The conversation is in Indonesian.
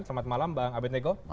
selamat malam bang abed nego